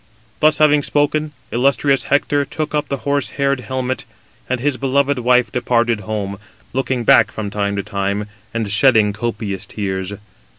Thus having spoken, illustrious Hector took up the horse haired helmet, and his beloved wife departed home, looking back from time to time, and shedding copious tears.